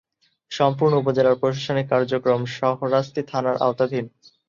সম্পূর্ণ উপজেলার প্রশাসনিক কার্যক্রম শাহরাস্তি থানার আওতাধীন।